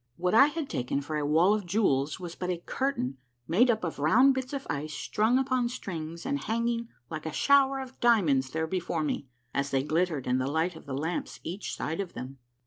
What I had taken for a wall of jewels was but a curtain made up of round bits of ice strung upon strings and hanging like a shower of diamonds there before me, as they glittered in the light of the lamps each side of them.